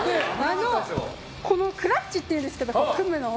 このクラッチというんですけど組むのを。